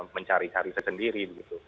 mencari cari saya sendiri